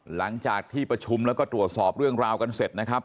หลังจากที่ประชุมแล้วก็ตรวจสอบเรื่องราวกันเสร็จนะครับ